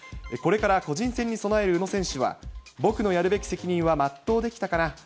これから個人戦に備える宇野選手は、僕のやるべき責任は全うできたかな。